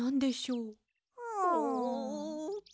うん。